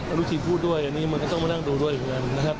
อันดูทีนพูดด้วยมันก็ต้องมานั่งดูด้วยอย่างนั้น